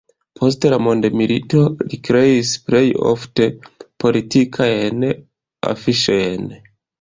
Post la mondomilito li kreis plej ofte politikajn afiŝojn.